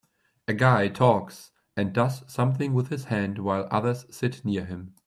A guy talks and does something with his hand while others sit near him.